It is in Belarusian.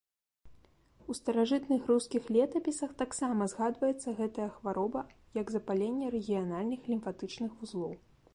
У старажытных рускіх летапісах таксама згадваецца гэтая хвароба як запаленне рэгіянальных лімфатычных вузлоў.